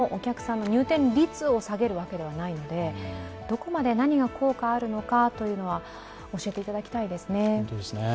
確かにお店のお客さんの入店率を下げるわけではないのでどこまで何が効果があるのは教えていただきたいですね。